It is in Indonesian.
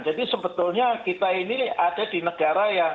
jadi sebetulnya kita ini ada di negara yang